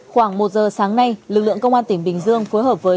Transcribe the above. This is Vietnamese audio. khoảng một giờ sáng nay lực lượng công an tỉnh bình dương phối hợp với